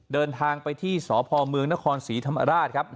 เดินทางไปที่สพเมืองนครศรีธรรมราชครับ